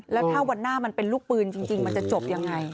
แล้วถ้าวันหน้ามันเป็นลูกปืนจริงมันจะจบยังไง